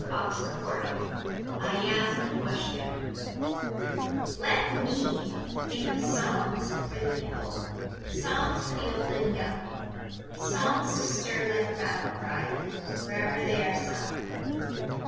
W X . Y Z Songs for the People LET me make the songs for the people, Songs for the old and young; Songs to stir like a battle cry Wherever they are sung.